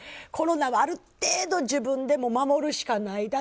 コロナはある程度、自分でも守るしかない。